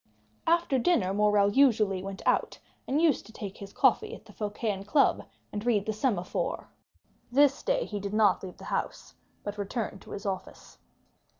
After dinner Morrel usually went out and used to take his coffee at the club of the Phocéens, and read the Semaphore; this day he did not leave the house, but returned to his office.